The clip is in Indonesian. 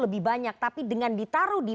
lebih banyak tapi dengan ditaruh di